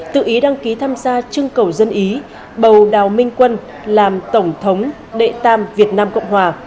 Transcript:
tự ý đăng ký tham gia trưng cầu dân ý bầu đào minh quân làm tổng thống đệ tam việt nam cộng hòa